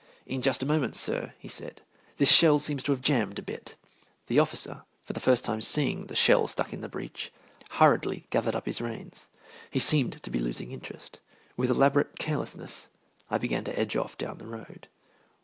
"In just a moment, sir," he said; "this shell seems to have jammed a bit." The officer, for the first time seeing the shell stuck in the breech, hurriedly gathered up his reins. He seemed to be losing interest. With elaborate carelessness I began to edge off down the road.